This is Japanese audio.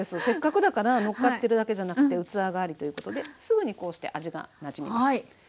せっかくだからのっかってるだけじゃなくて器代わりということですぐにこうして味がなじみます。